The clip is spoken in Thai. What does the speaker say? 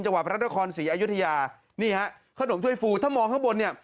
จังหวัดพระราชกรศรีอายุธยานี่ครับขนมถ้วยฟูถ้ามองข้างบนเนี่ย